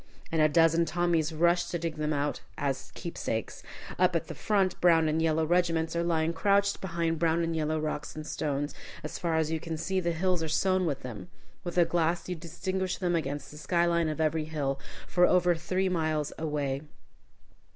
And a dozen Tommies rush to dig them out as keepsakes. Up at the front, brown and yellow regiments are lying crouched behind brown and yellow rocks and stones. As far as you can see, the hills are sown with them. With a glass you distinguish them against the sky line of every hill, for over three miles away.